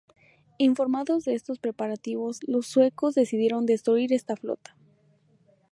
Informados de estos preparativos, los suecos decidieron destruir esta flota.